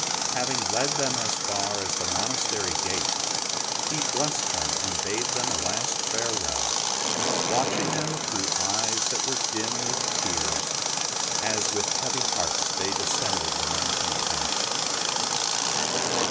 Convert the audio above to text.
Having led them as far as the monastery gate, he blessed them and bade them a last farewell, watching them through eyes that were dim with tears, as with heavy hearts they descended the mountain path.